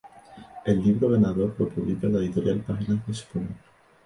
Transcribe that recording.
El libro ganador lo publica la editorial Páginas de Espuma.